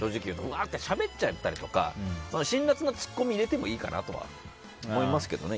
わーってしゃべっちゃったりとか辛辣な突っ込みいれてもいいかなとは思いますけどね。